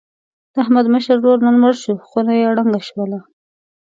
د احمد مشر ورور نن مړ شو. خونه یې ړنګه شوله.